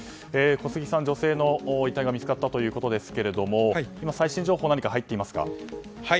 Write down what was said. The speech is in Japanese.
小杉さん、女性の遺体が見つかったということですけども最新情報、何か入っていますか？